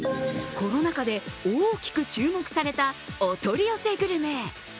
コロナ禍で大きく注目されたお取り寄せグルメ。